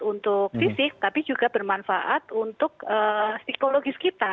untuk fisik tapi juga bermanfaat untuk psikologis kita